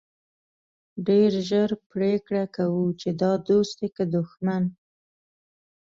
ډېر ژر پرېکړه کوو چې دا دوست دی که دښمن.